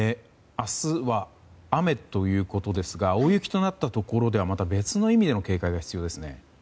明日は雨ということですが大雪となったところではまた別の意味での警戒が必要ですね。